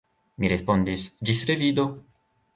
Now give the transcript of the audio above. Mi respondis: «Ĝis revido! »